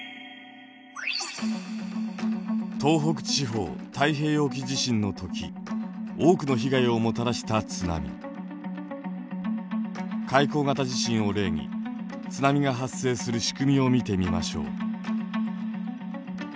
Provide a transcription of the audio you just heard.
東北地方太平洋沖地震の時多くの被害をもたらした海溝型地震を例に津波が発生するしくみを見てみましょう。